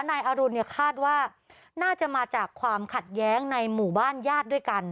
นายอรุณเนี่ยคาดว่าน่าจะมาจากความขัดแย้งในหมู่บ้านญาติด้วยกัน